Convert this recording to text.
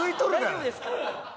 大丈夫ですか？